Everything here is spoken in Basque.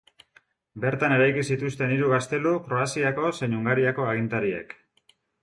Bertan eraiki zituzten hiru gaztelu Kroaziako zein Hungariako agintariek.